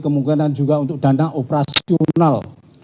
kemungkinan juga untuk dana operasional